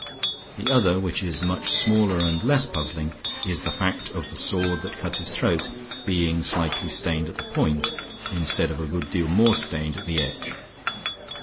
The other, which is much smaller and less puzzling, is the fact of the sword that cut his throat being slightly stained at the point, instead of a good deal more stained at the edge.